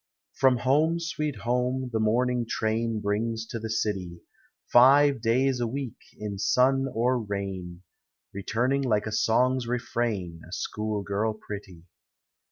Fkom some sweet home, the morning train » Brings to the city, Five days a week, in snn or rain, Returning like a song's refrain, A school girl pretty.